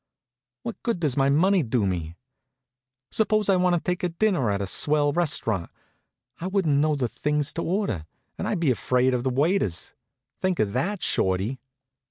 What good does my money do me? Suppose I want to take dinner at a swell restaurant I wouldn't know the things to order, and I'd be afraid of the waiters. Think of that, Shorty."